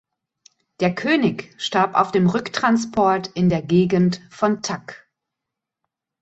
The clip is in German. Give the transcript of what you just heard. Der König starb auf dem Rücktransport in der Gegend von Tak.